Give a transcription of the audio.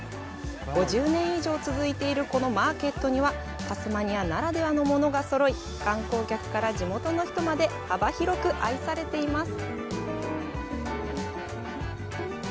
５０年以上続いているこのマーケットにはタスマニアならではのものがそろい観光客から地元の人まで幅広く愛されています。